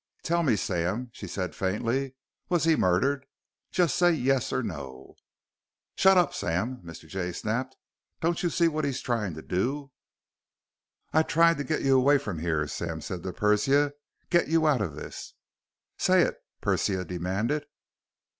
"Tell me, Sam," she said faintly. "Was he murdered? Just say yes or no." "Shut up, Sam!" Mr. Jay snapped. "Don't you see what he's trying to do?" "I've tried to get you away from here," Sam said to Persia, "get you out of this " "Say it!" Persia demanded.